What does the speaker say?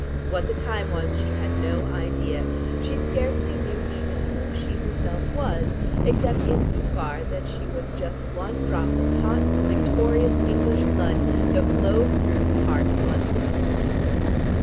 What the time was she had no idea; she scarcely knew even who she herself was except in so far that she was just one drop of hot victorious English blood that flowed through the heart of London.